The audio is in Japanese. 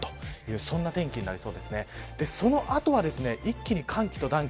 そんな天気になりそうです。